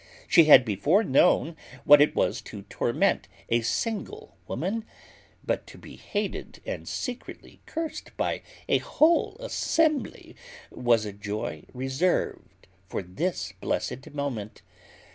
She had before known what it was to torment a single woman; but to be hated and secretly cursed by a whole assembly was a joy reserved for this blessed moment.